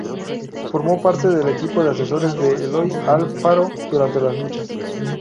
Formó parte del equipo de asesores de Eloy Alfaro durante las luchas.